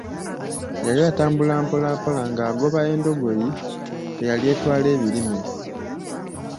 Yali atambula mpola mpola ng'agoba endogoyi eyali etwala ebirime.